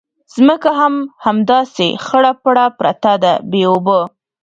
ځمکه هم همداسې خړه پړه پرته ده بې اوبو.